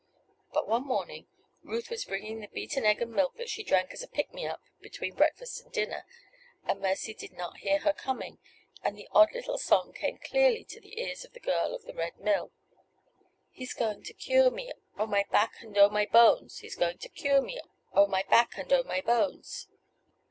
But one morning Ruth was bringing the beaten egg and milk that she drank as a "pick me up" between breakfast and dinner, and Mercy did not hear her coming, and the odd little song came clearly to the ears of the girl of the Red Mill: "He's going to cure me! Oh, my back and oh, my bones! He's going to cure me! Oh, my back and oh, my bones!"